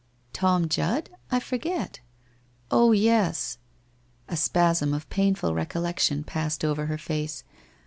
' Tom Judd ? I forget ? Oh, yes ' A spasm of painful recollection passed over her face.